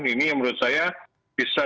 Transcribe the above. ini menurut saya bisa